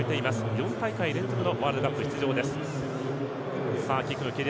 ４大会連続のワールドカップ出場。